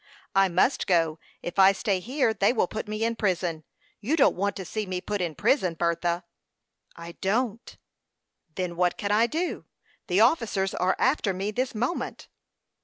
"I must go; if I stay here they will put me in prison. You don't want to see me put in prison, Bertha." "I don't." "Then what can I do? The officers are after me this moment."